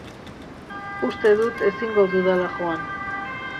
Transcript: Uste dut ezingo dudala joan.